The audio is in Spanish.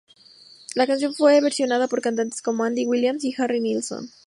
La canción fue versionada por cantantes como Andy Williams y Harry Nilsson.